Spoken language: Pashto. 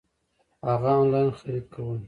هغه انلاين خريد کولو